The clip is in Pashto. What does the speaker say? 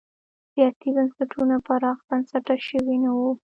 سیاسي بنسټونه پراخ بنسټه شوي نه وو.